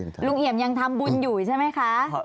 คุณลุงเอี่ยมยังทำบุญอยู่ใช่ไหมคะ